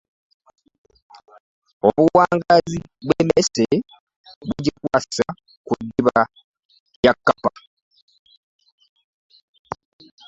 Obuwangaazi bw'emmese, bugikwasa ku ddiba lya Kkapa